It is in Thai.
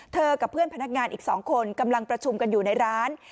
กับเพื่อนพนักงานอีก๒คนกำลังประชุมกันอยู่ในร้าน